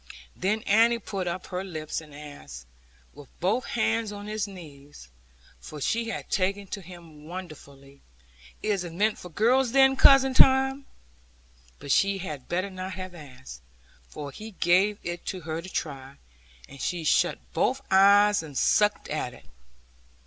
Then Annie put up her lips and asked, with both hands on his knees (for she had taken to him wonderfully), 'Is it meant for girls then cousin Tom?' But she had better not have asked, for he gave it her to try, and she shut both eyes, and sucked at it.